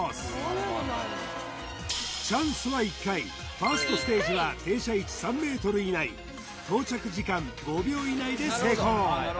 ファーストステージは停車位置３ｍ以内到着時間５秒以内で成功